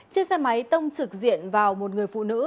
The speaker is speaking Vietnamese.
chiếc xe máy tông trực diện vào một người phụ nữ